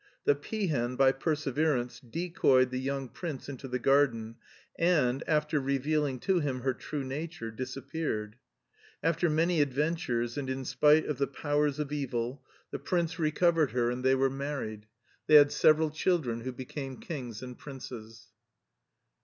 The peahen, by perseverance, decoyed the young prince into the garden and, after reveaKng to him her true nature, disappeared. After many adventures and in spite of the powers of evil, the prince recovered her 3 ••••._«_• 4 MARTIN SCHtJLER and they were married. They had several chUdren who became kings and princes.